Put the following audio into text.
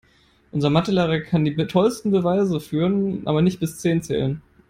Unser Mathe-Lehrer kann die tollsten Beweise führen, aber nicht bis zehn zählen.